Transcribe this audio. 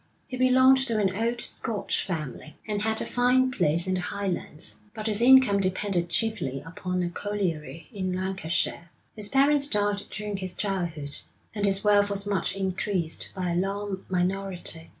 He belonged to an old Scotch family, and had a fine place in the Highlands, but his income depended chiefly upon a colliery in Lancashire. His parents died during his childhood, and his wealth was much increased by a long minority.